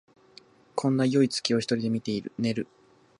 こんなよい月を一人で見て寝る